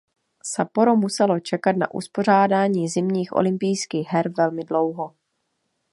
Sapporo muselo čekat na uspořádání Zimních olympijských her velmi dlouho.